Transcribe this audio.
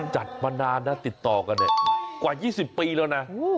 จัดมานานแล้วติดต่อกันกว่า๒๐ปีแล้วนะ